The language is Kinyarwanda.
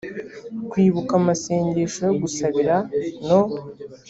kwibuka amasengesho yo gusabira no